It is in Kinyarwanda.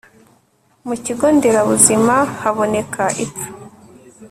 Mu kigo nderabuzima haboneka ipfa